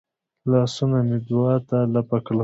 لاسونه مې دعا ته لپه کړل.